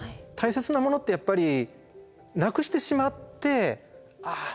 たいせつなものってやっぱりなくしてしまってああ